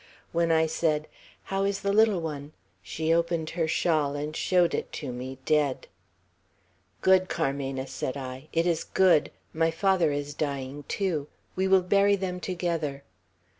When I said, 'How is the little one?' she opened her shawl and showed it to me, dead. 'Good, Carmena!' said I. 'It is good! My father is dying too. We will bury them together.'